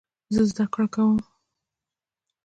زه زده کړه کوم.